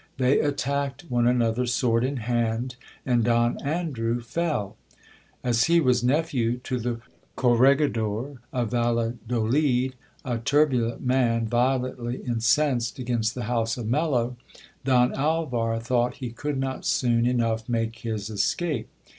They attacked one another sword in hand, and Don Andrew fell. As he was nephew to the corregidor of Valladolid, a tur bulent man, violently incensed against the house of Mello, Don Alvar thought he could not soon enough make his escape.